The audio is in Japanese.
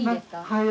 はい。